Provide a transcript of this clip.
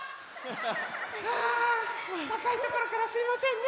あたかいところからすいませんね。